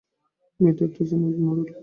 মেয়েটি একটু যেন নড়ে উঠল।